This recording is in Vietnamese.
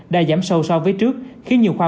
đã giảm sâu so với trước khi nhiều khoa